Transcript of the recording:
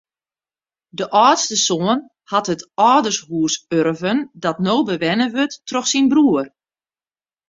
De âldste soan hat it âldershûs urven dat no bewenne wurdt troch syn broer.